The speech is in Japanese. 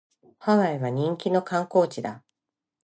ハワイは人気の観光地だ